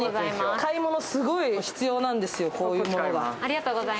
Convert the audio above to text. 買い物、すごい必要なんですよ、こういうものが。